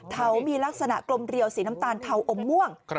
เขามีลักษณะกลมเรียวสีน้ำตาลเทาอมม่วง